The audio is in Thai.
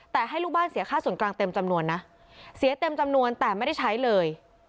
แต่ให้ลูกบ้านเสียค่าส่วนกลางเต็มจำนวนนะเสียเต็มจำนวนแต่ไม่ได้ใช้เลย